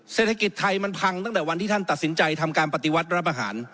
เศรษฐกิจไทยมันพังตั้งแต่วันที่ท่านตัดสินใจทำการปฏิวัติรับอาหาร